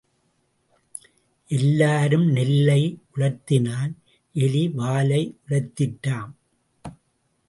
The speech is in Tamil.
எல்லாரும் நெல்லை உலர்த்தினால் எலி வாலை உலர்த்திற்றாம்.